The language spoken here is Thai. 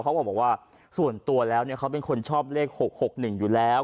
เขาบอกว่าส่วนตัวแล้วเขาเป็นคนชอบเลข๖๖๑อยู่แล้ว